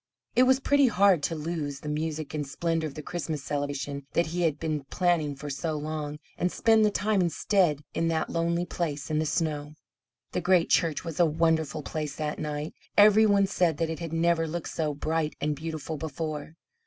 It was pretty hard to lose the music and splendour of the Christmas celebration that he had been planning for so long, and spend the time instead in that lonely place in the snow. The great church was a wonderful place that night. Every one said that it had never looked so bright and beautiful before.